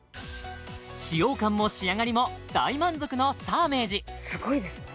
使用感も仕上がりも大満足のサーメージすごいですね